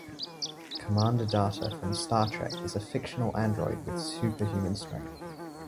Commander Data from Star Trek is a fictional android with super human strength.